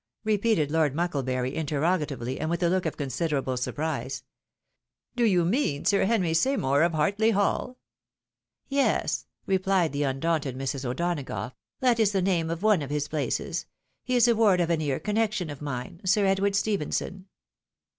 repeated Lord Muekle bury, interrogatively, and with a look of considerable surprise; " Do you mean Sir Henry Seymour, of Hartley Hall ?"" Yes !" replied the undaunted Mrs. O'Donagough, " that is the name of one of his places ; he is a ward of a near connection of mine. Sir Edward Stephenson."